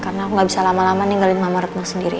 karena aku gak bisa lama lama ninggalin mama retno sendirian